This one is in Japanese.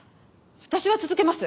私は続けます。